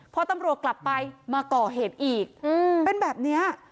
พอตำรวจกลับไปมาก่อเหตุอีกเป็นแบบนี้